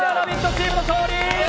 チームの勝利！